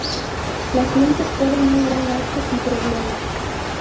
Las lentes fueron un gran gasto y problema.